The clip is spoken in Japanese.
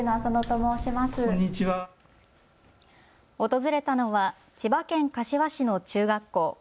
訪れたのは千葉県柏市の中学校。